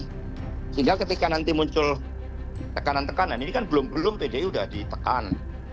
sehingga ketika nanti muncul tekanan tekanan ini kan belum belum pdi sudah ditekan